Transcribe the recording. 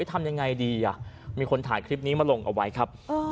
ทำยังไงดีมีคนถ่ายคลิปนี้มาลงเอาไว้ครับ